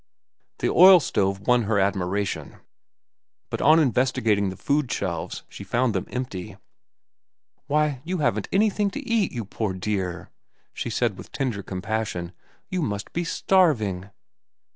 The oil stove won her admiration, but on investigating the food shelves she found them empty. "Why, you haven't anything to eat, you poor dear," she said with tender compassion. "You must be starving."